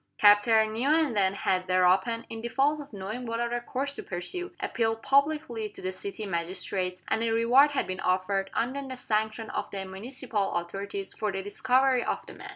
Captain Newenden had thereupon, in default of knowing what other course to pursue, appealed publicly to the city magistrates, and a reward had been offered, under the sanction of the municipal authorities, for the discovery of the man.